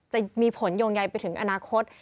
จะมีผลโยงใยไปถึงอนาคต